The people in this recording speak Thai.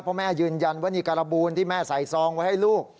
เพราะแม่ยืนยันว่านี่การบูลที่แม่ใส่ซองไว้ให้ลูก